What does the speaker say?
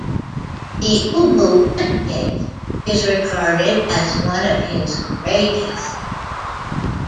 "The Ubu diptych" is regarded as one of his greatest.